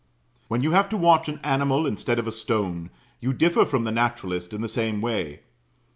When you have to watch an animal instead of a stone, you differ from the naturalist in the same way.